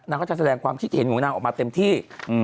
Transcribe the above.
ก็จะแสดงความคิดเห็นของนางออกมาเต็มที่